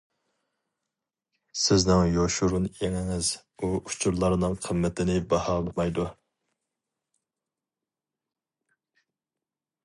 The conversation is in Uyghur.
سىزنىڭ يوشۇرۇن ئېڭىڭىز ئۇ ئۇچۇرلارنىڭ قىممىتىنى باھالىمايدۇ.